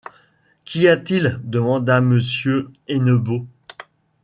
Qu’y a-t-il ? demanda Monsieur Hennebeau.